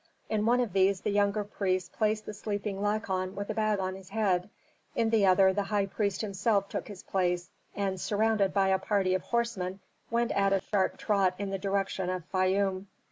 In one of these the younger priests placed the sleeping Lykon with a bag on his head; in the other the high priest himself took his place and, surrounded by a party of horsemen went at a sharp trot in the direction of Fayum.